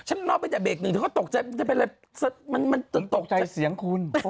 ฉันนอกไปจากเบรกหนึ่งเธอก็ตกใจมันตกใจเสียงคุณ